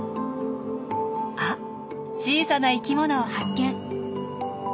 あ小さな生きものを発見。